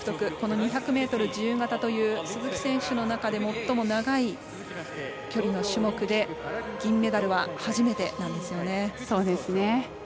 ２００ｍ自由形という鈴木選手の中で最も長い距離の種目で銀メダルは初めてなんですよね。